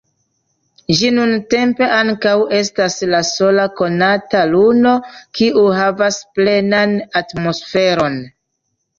Ĝi nuntempe ankaŭ estas la sola konata luno, kiu havas plenan atmosferon.